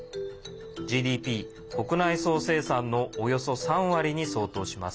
ＧＤＰ＝国内総生産のおよそ３割に相当します。